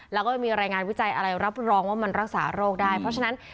แล้วก็ไม่มีรายงานวิจัยอะไรรับรองว่ามันรักษาโรคได้เพราะฉะนั้น